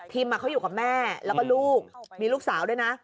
เขาอยู่กับแม่แล้วก็ลูกมีลูกสาวด้วยนะ